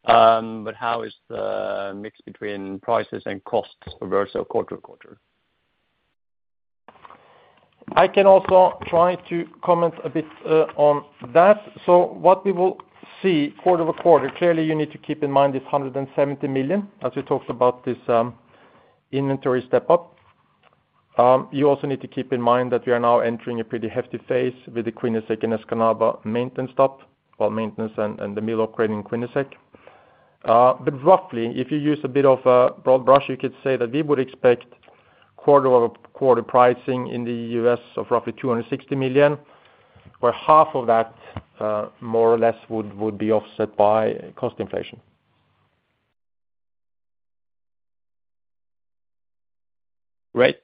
but how is the mix between prices and costs for Verso quarter-over-quarter? I can also try to comment a bit on that. What we will see quarter-over-quarter, clearly you need to keep in mind this 170 million as we talked about this, inventory step up. You also need to keep in mind that we are now entering a pretty hefty phase with the Quinnesec and Escanaba maintenance stop or maintenance and the mill operating in Quinnesec. Roughly, if you use a bit of a broad brush, you could say that we would expect quarter-over-quarter pricing in the US of roughly $260 million, where half of that, more or less would be offset by cost inflation. Great.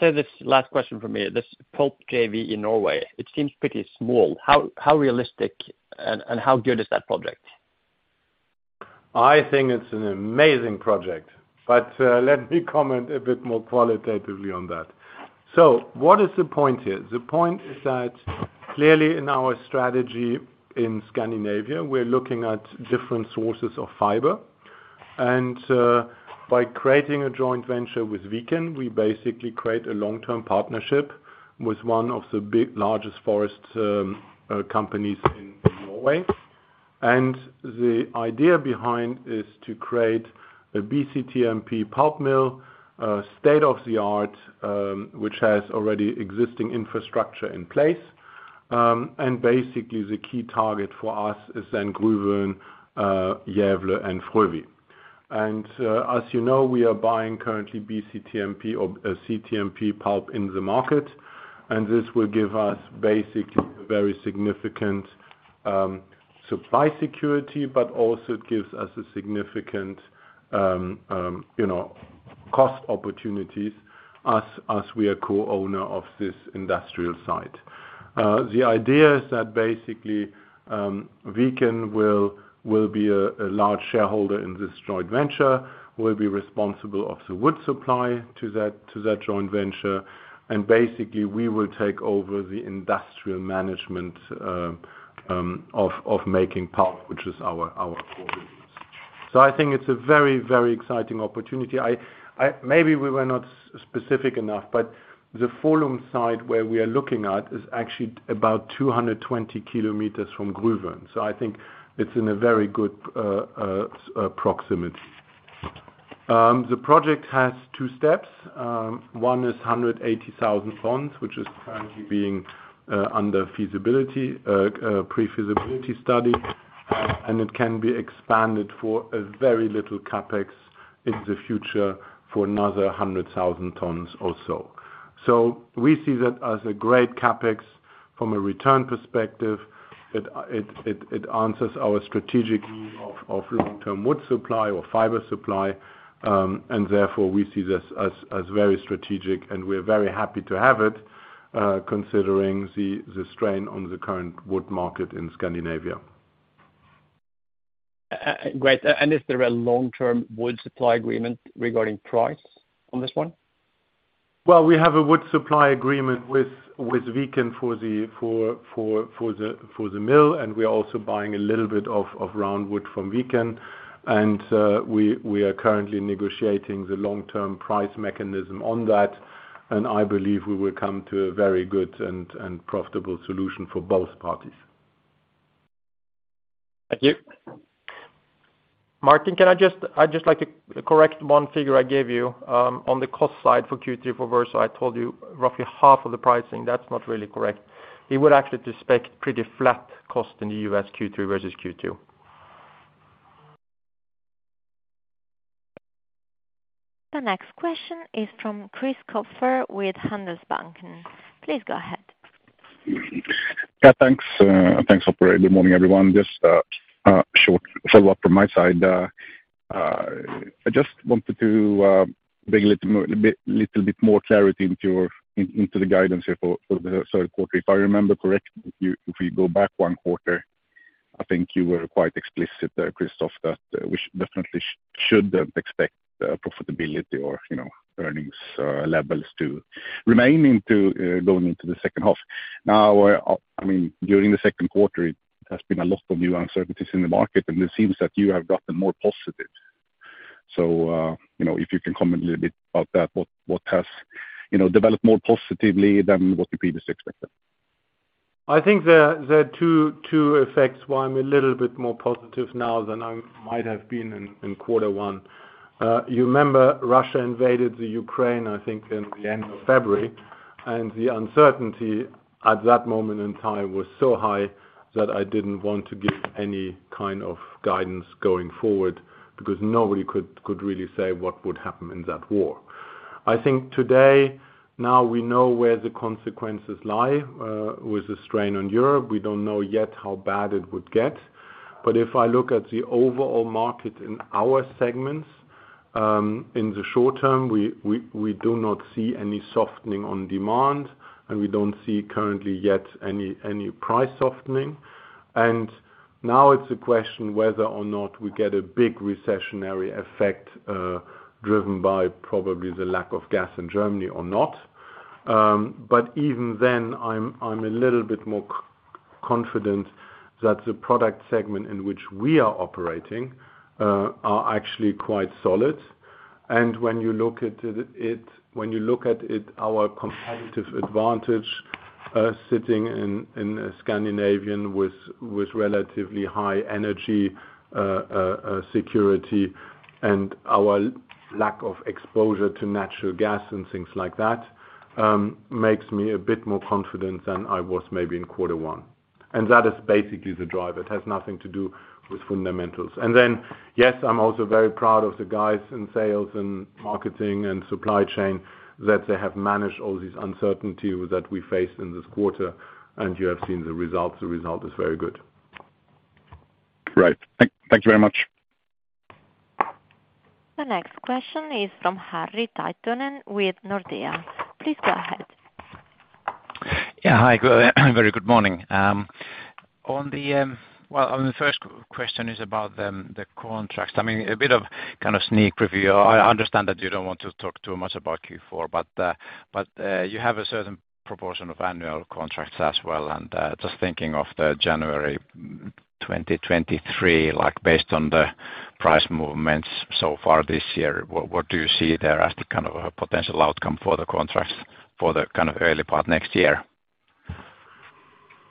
This last question from me, this pulp JV in Norway, it seems pretty small. How realistic and how good is that project? I think it's an amazing project, but let me comment a bit more qualitatively on that. What is the point here? The point is that clearly in our strategy in Scandinavia, we're looking at different sources of fiber. By creating a joint venture with Viken, we basically create a long-term partnership with one of the largest forest companies in Norway. The idea behind is to create a BCTMP pulp mill, state-of-the-art, which has already existing infrastructure in place. Basically the key target for us is then Gruvön, Gävle, and Frövi. As you know, we are buying currently BCTMP or CTMP pulp in the market, and this will give us basically a very significant supply security, but also it gives us a significant you know cost opportunities as we are co-owner of this industrial site. The idea is that basically Viken will be a large shareholder in this joint venture, will be responsible of the wood supply to that joint venture, and basically we will take over the industrial management of making pulp, which is our core business. I think it's a very exciting opportunity. Maybe we were not specific enough, but the Follum site where we are looking at is actually about 220 kilometers from Gruvön. I think it's in a very good proximity. The project has two steps. One is 180,000 tons, which is currently under pre-feasibility study. It can be expanded for a very little CapEx in the future for another 100,000 tons or so. We see that as a great CapEx from a return perspective. It answers our strategic need of long-term wood supply or fiber supply. Therefore we see this as very strategic, and we're very happy to have it, considering the strain on the current wood market in Scandinavia. Is there a long-term wood supply agreement regarding price on this one? Well, we have a wood supply agreement with Viken for the mill, and we are also buying a little bit of round wood from Viken. We are currently negotiating the long-term price mechanism on that, and I believe we will come to a very good and profitable solution for both parties. Thank you. Martin, can I just, I'd just like to correct one figure I gave you, on the cost side for Q3 for Verso. I told you roughly half of the pricing. That's not really correct. We would actually expect pretty flat cost in the US Q3 versus Q2. The next question is from Christian Kopfer with Handelsbanken. Please go ahead. Yeah, thanks. Thanks, operator. Good morning, everyone. Just short follow-up from my side. I just wanted to bring a little more, a bit, little bit more clarity into your into the guidance here for the third quarter. If I remember correctly, if we go back one quarter, I think you were quite explicit, Christoph, that we should definitely expect profitability or, you know, earnings levels to remain into going into the second half. Now, I mean, during the second quarter it has been a lot of new uncertainties in the market, and it seems that you have gotten more positive. You know, if you can comment a little bit about that, what has developed more positively than what you previously expected? I think there are two effects why I'm a little bit more positive now than I might have been in quarter one. You remember Russia invaded Ukraine, I think in the end of February, and the uncertainty at that moment in time was so high that I didn't want to give any kind of guidance going forward because nobody could really say what would happen in that war. I think today, now we know where the consequences lie, with the strain on Europe. We don't know yet how bad it would get. If I look at the overall market in our segments, in the short term, we do not see any softening on demand, and we don't see currently yet any price softening. Now it's a question whether or not we get a big recessionary effect, driven by probably the lack of gas in Germany or not. But even then I'm a little bit more confident that the product segment in which we are operating are actually quite solid. When you look at it, our competitive advantage, sitting in Scandinavia with relatively high energy security and our lack of exposure to natural gas and things like that, makes me a bit more confident than I was maybe in quarter one. That is basically the driver. It has nothing to do with fundamentals. Then, yes, I'm also very proud of the guys in sales and marketing and supply chain, that they have managed all this uncertainty that we faced in this quarter. You have seen the results. The result is very good. Right. Thanks very much. The next question is from Harri Taittonen with Nordea. Please go ahead. Yeah. Hi. Very good morning. The first question is about the contracts. I mean, a bit of kind of sneak preview. I understand that you don't want to talk too much about Q4, but you have a certain proportion of annual contracts as well. Just thinking of the January 2023, like based on the price movements so far this year, what do you see there as the kind of potential outcome for the contracts for the kind of early part next year?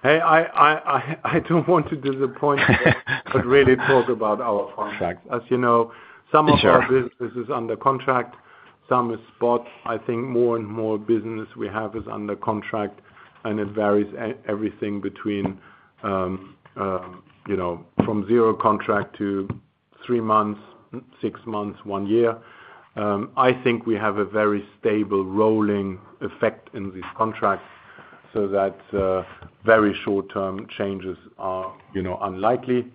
Hey, I don't want to disappoint you, but really talk about our contracts. As you know. Sure Some of our business is under contract, some is spot. I think more and more business we have is under contract and it varies everything between, you know, from zero contract to three months, six months, one year. I think we have a very stable rolling effect in this contract so that, very short-term changes are, you know, unlikely.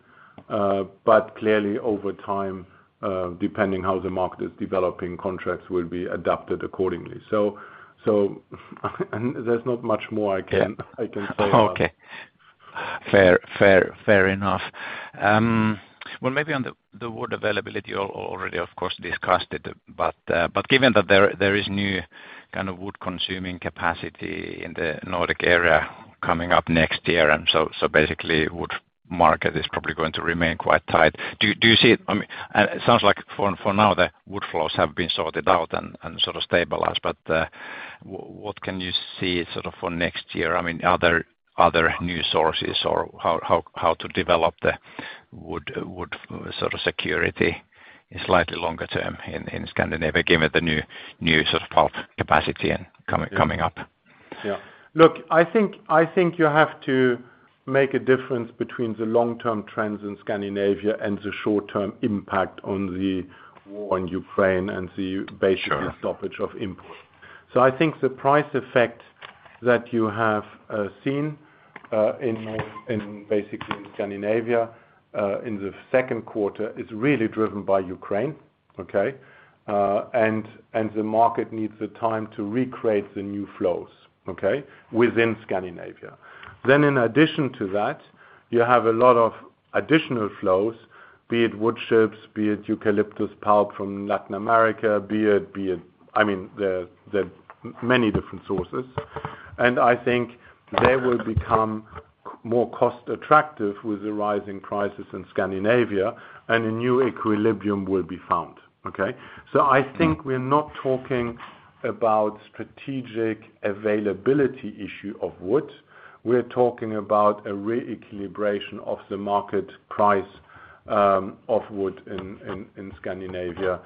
But clearly over time, depending how the market is developing, contracts will be adapted accordingly. So and there's not much more I can. Yeah. I can say about- Okay. Fair enough. Well, maybe on the wood availability already of course discussed it, but given that there is new kind of wood consuming capacity in the Nordic area coming up next year, and so basically wood market is probably going to remain quite tight. Do you see it? I mean, it sounds like for now, the wood flows have been sorted out and sort of stabilized. What can you see sort of for next year? I mean, are there new sources or how to develop the wood sort of security slightly longer term in Scandinavia given the new sort of pulp capacity and coming up? Yeah. Look, I think you have to make a difference between the long-term trends in Scandinavia and the short-term impact on the war in Ukraine and the- Sure basically stoppage of import. I think the price effect that you have seen in basically in Scandinavia in the second quarter is really driven by Ukraine. Okay? The market needs the time to recreate the new flows, okay, within Scandinavia. In addition to that, you have a lot of additional flows, be it wood chips, be it eucalyptus pulp from Latin America, be it. I mean, there are many different sources. I think they will become more cost-attractive with the rising prices in Scandinavia, and a new equilibrium will be found. Okay? I think we're not talking about strategic availability issue of wood. We're talking about a re-equilibration of the market price of wood in Scandinavia,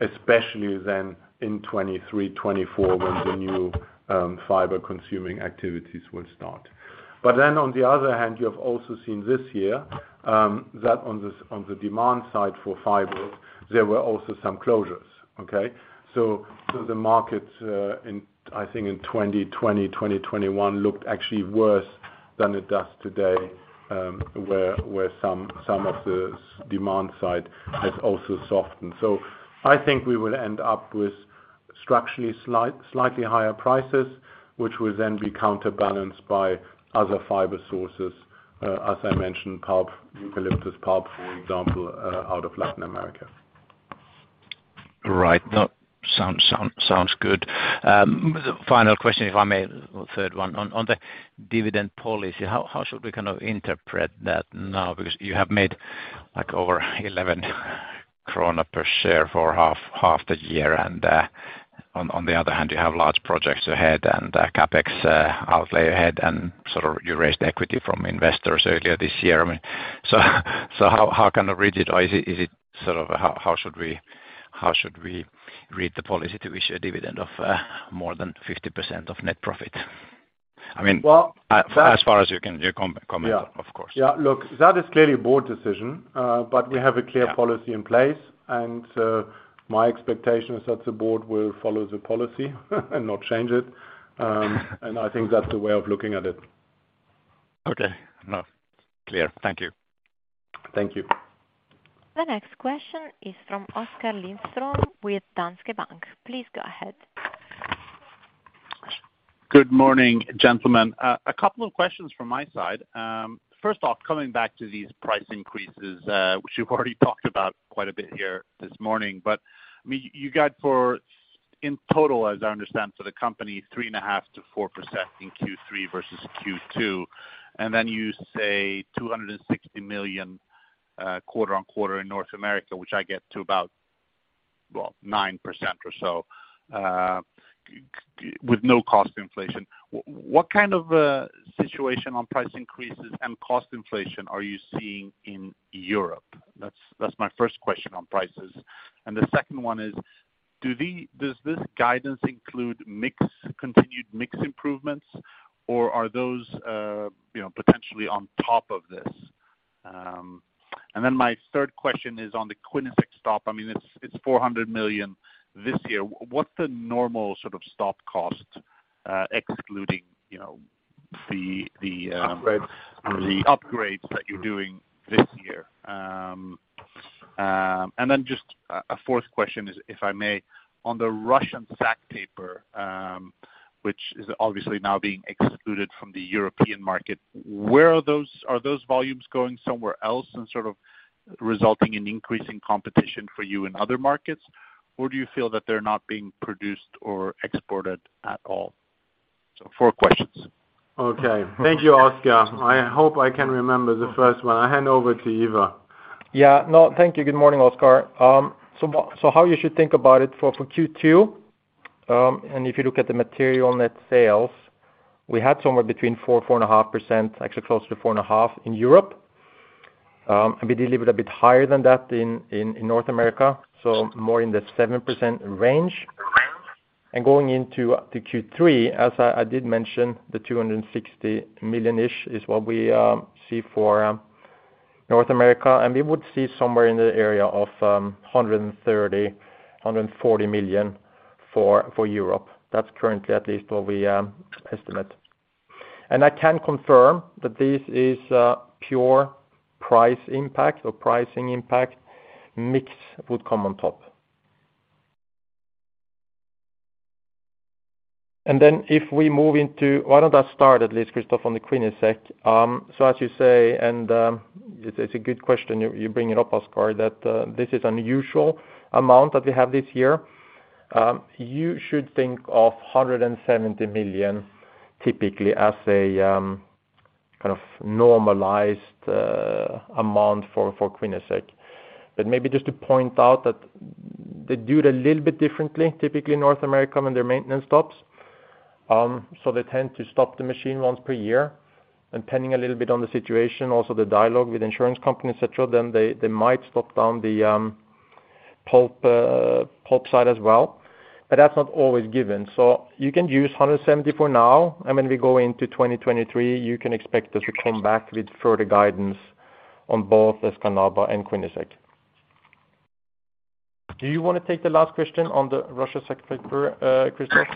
especially then in 2023, 2024 when the new fiber consuming activities will start. On the other hand, you have also seen this year that on the demand side for fibers, there were also some closures. The markets, I think, in 2020, 2021 looked actually worse than it does today, where some of the demand side has also softened. I think we will end up with structurally slightly higher prices, which will then be counterbalanced by other fiber sources, as I mentioned, pulp, eucalyptus pulp, for example, out of Latin America. Right. That sounds good. The final question, if I may, or third one. On the dividend policy, how should we kind of interpret that now? Because you have made like over 11 krona per share for half the year. On the other hand you have large projects ahead and CapEx outlay ahead and sort of you raised equity from investors earlier this year. I mean, so how can I read it? Or is it sort of how should we read the policy to issue a dividend of more than 50% of net profit? I mean. Well. as far as you can comment on, of course. Yeah. Look, that is clearly a board decision. We have a clear policy in place, and my expectation is that the board will follow the policy and not change it. I think that's the way of looking at it. Okay. No, clear. Thank you. Thank you. The next question is from Oskar Lindström with Danske Bank. Please go ahead. Good morning, gentlemen. A couple of questions from my side. First off, coming back to these price increases, which you've already talked about quite a bit here this morning, but I mean, you got for in total, as I understand, so the company 3.5%-4% in Q3 versus Q2, and then you say $260 million quarter on quarter in North America, which I get to about, well, 9% or so with no cost inflation. What kind of situation on price increases and cost inflation are you seeing in Europe? That's my first question on prices. The second one is, does this guidance include continued mix improvements or are those, you know, potentially on top of this? My third question is on the Quinnesec stop. I mean, it's 400 million this year. What's the normal sort of stop cost, excluding, you know, the Upgrades The upgrades that you're doing this year. Just a fourth question is, if I may, on the Russian sack paper, which is obviously now being excluded from the European market, where are those volumes going somewhere else and sort of resulting in increasing competition for you in other markets, or do you feel that they're not being produced or exported at all? Four questions. Okay. Thank you, Oskar. I hope I can remember the first one. I hand over to Ivar. Yeah, no, thank you. Good morning, Oskar. So how you should think about it for Q2, and if you look at the material net sales, we had somewhere between 4%-4.5%, actually closer to 4.5% in Europe. We delivered a bit higher than that in North America, so more in the 7% range. Going into Q3, as I did mention, the $260 million-ish is what we see for North America, and we would see somewhere in the area of 130 million-140 million for Europe. That's currently at least what we estimate. I can confirm that this is a pure price impact or pricing impact. Mix would come on top. Why don't I start at least, Christoph, on the CapEx. So as you say, it's a good question you bring it up, Oskar, that this is unusual amount that we have this year. You should think of 170 million typically as a kind of normalized amount for CapEx. But maybe just to point out that they do it a little bit differently, typically North America when their maintenance stops. So they tend to stop the machine once per year, and depending a little bit on the situation, also the dialogue with insurance companies, et cetera, then they might stop down the pulp side as well, but that's not always given. So you can use 170 million for now. When we go into 2023, you can expect us to come back with further guidance on both Escanaba and Quinnesec. Do you wanna take the last question on the Russian sack paper, Christoph?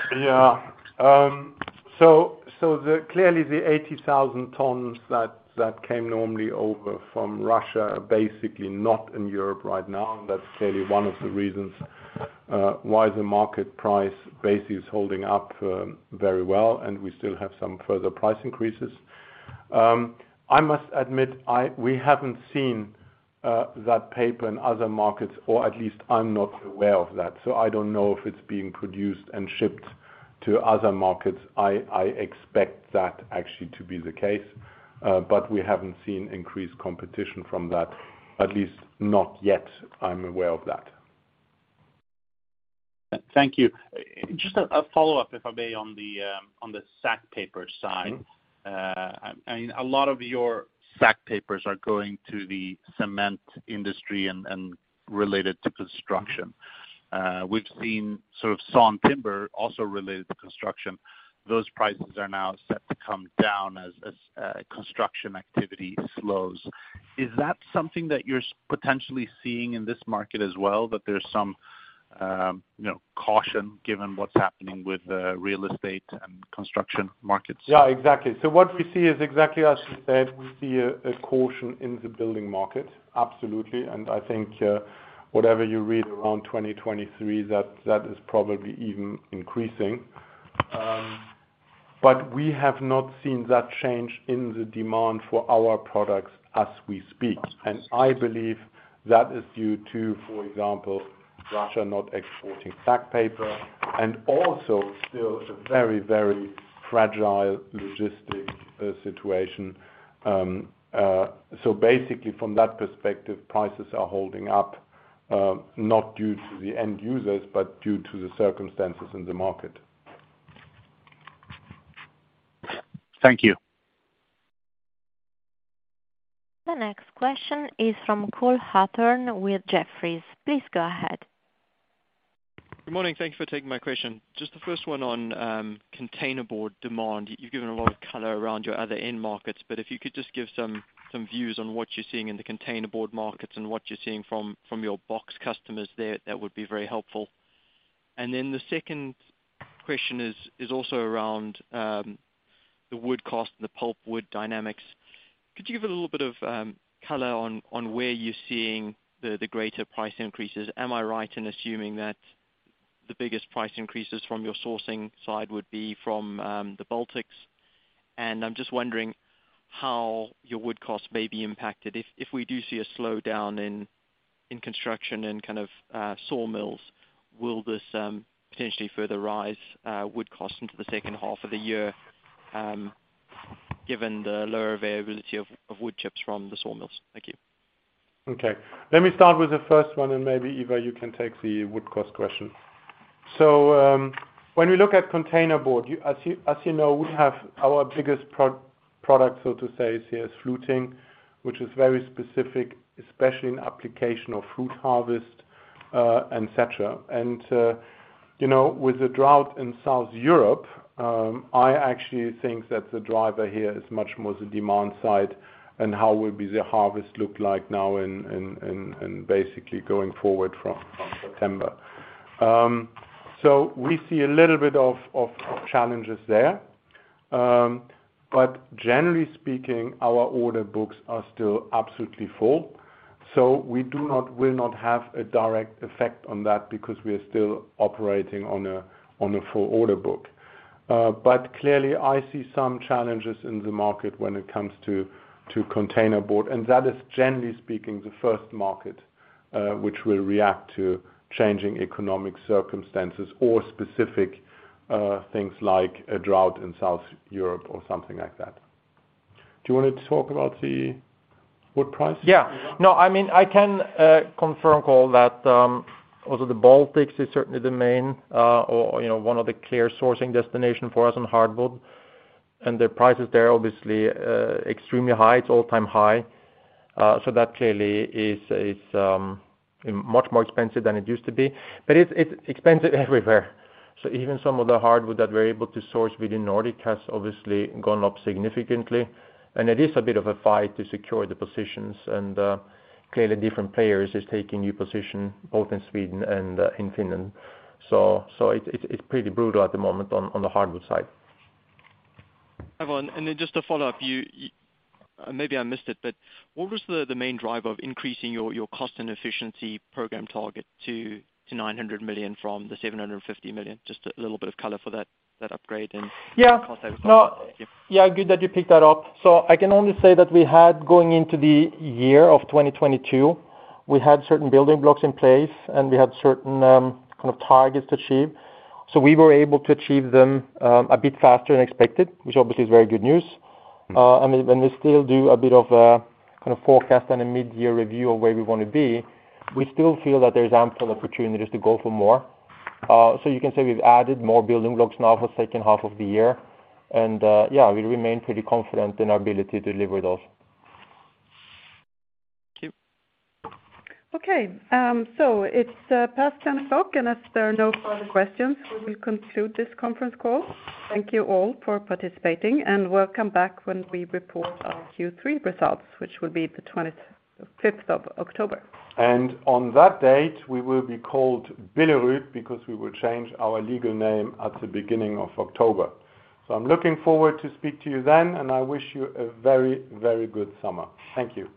Clearly the 80,000 tons that came normally over from Russia are basically not in Europe right now. That's clearly one of the reasons why the market price base is holding up very well, and we still have some further price increases. I must admit we haven't seen that paper in other markets, or at least I'm not aware of that, so I don't know if it's being produced and shipped to other markets. I expect that actually to be the case, but we haven't seen increased competition from that, at least not yet, I'm aware of that. Thank you. Just a follow-up, if I may, on the sack paper side. Mm-hmm. I mean, a lot of your sack papers are going to the cement industry and related to construction. We've seen sort of sawn timber also related to construction. Those prices are now set to come down as construction activity slows. Is that something that you're potentially seeing in this market as well, that there's some you know, caution given what's happening with real estate and construction markets? Yeah, exactly. What we see is exactly as you said, we see a caution in the building market, absolutely. I think, whatever you read around 2023, that is probably even increasing. We have not seen that change in the demand for our products as we speak. I believe that is due to, for example, Russia not exporting sack paper and also still a very, very fragile logistics situation. Basically from that perspective, prices are holding up, not due to the end users, but due to the circumstances in the market. Thank you. The next question is from Cole Hathorn with Jefferies. Please go ahead. Good morning. Thank you for taking my question. Just the first one on containerboard demand. You've given a lot of color around your other end markets, but if you could just give some views on what you're seeing in the containerboard markets and what you're seeing from your box customers there, that would be very helpful. Then the second question is also around the wood cost and the pulpwood dynamics. Could you give a little bit of color on where you're seeing the greater price increases? Am I right in assuming that the biggest price increases from your sourcing side would be from the Baltics? And I'm just wondering how your wood costs may be impacted. If we do see a slowdown in construction and kind of sawmills, will this potentially further rise wood costs into the second half of the year, given the lower availability of wood chips from the sawmills? Thank you. Okay. Let me start with the first one, and maybe, Ivar, you can take the wood cost question. When we look at containerboard, as you know, we have our biggest product, so to say, is, yes, fluting, which is very specific, especially in application of fruit harvest, et cetera. You know, with the drought in South Europe, I actually think that the driver here is much more the demand side and how will be the harvest look like now and basically going forward from September. We see a little bit of challenges there. Generally speaking, our order books are still absolutely full, will not have a direct effect on that because we are still operating on a full order book. Clearly, I see some challenges in the market when it comes to containerboard, and that is, generally speaking, the first market which will react to changing economic circumstances or specific things like a drought in southern Europe or something like that. Do you want to talk about the wood prices? Yeah. No, I mean, I can confirm, Cole, that also the Baltics is certainly the main, or, you know, one of the clear sourcing destination for us on hardwood. The prices there obviously extremely high. It's all-time high. That clearly is much more expensive than it used to be. It's expensive everywhere. Even some of the hardwood that we're able to source within Nordic has obviously gone up significantly. It is a bit of a fight to secure the positions and clearly different players is taking new position both in Sweden and in Finland. It's pretty brutal at the moment on the hardwood side. Ivar, then just to follow up, you. Maybe I missed it, but what was the main driver of increasing your cost and efficiency program target to 900 million from 750 million? Just a little bit of color for that upgrade. Yeah. cost savings. Thank you. Yeah, good that you picked that up. I can only say that we had, going into the year of 2022, we had certain building blocks in place, and we had certain, kind of targets to achieve. We were able to achieve them, a bit faster than expected, which obviously is very good news. I mean, when we still do a bit of a kind of forecast and a mid-year review of where we wanna be, we still feel that there's ample opportunities to go for more. You can say we've added more building blocks now for the second half of the year and, yeah, we remain pretty confident in our ability to deliver those. Thank you. Okay. It's past 10 o'clock, and if there are no further questions, we will conclude this conference call. Thank you all for participating, and welcome back when we report our Q3 results, which will be the 25th of October. On that date, we will be called Billerud because we will change our legal name at the beginning of October. I'm looking forward to speak to you then, and I wish you a very, very good summer. Thank you.